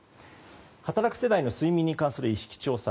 働く世帯の睡眠に関する意識調査。